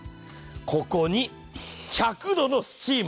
ここに１００度のスチーム。